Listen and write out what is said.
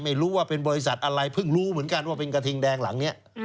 ไม่รู้ว่าเป็นบริษัทอะไรเพิ่งรู้เหมือนกันว่าเป็นกระทิงแดงหลังนี้